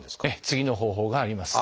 次の方法があります。